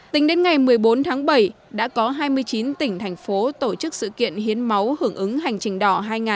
tính đến ngày một mươi bốn tháng bảy đã có hai mươi chín tỉnh thành phố tổ chức sự kiện hiến máu hưởng ứng hành trình đỏ hai nghìn một mươi chín